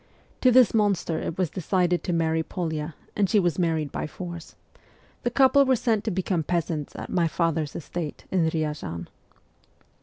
To this monster it was decided to marry P61ya and she was married by force. The couple were sent to become peasants at my father's estate in Ryazan.